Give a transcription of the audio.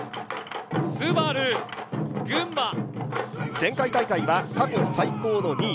前回大会は過去最高の２位。